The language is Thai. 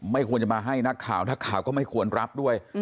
ไม่ควรจะมาให้นักข่าวนักข่าวก็ไม่ควรรับด้วย